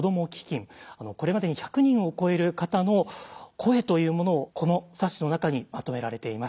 これまでに１００人を超える方の声というものをこの冊子の中にまとめられています。